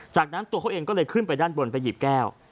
จากนั้นตัวเขาเองก็เลยขึ้นไปด้านบนไปหยิบแก้ว